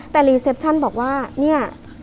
แต่รีเซปชั่นบอกว่าเนี่ย